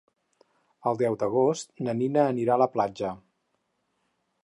El deu d'agost na Nina anirà a la platja.